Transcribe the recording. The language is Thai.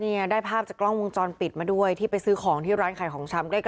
เนี่ยได้ภาพจากกล้องวงจรปิดมาด้วยที่ไปซื้อของที่ร้านขายของชำใกล้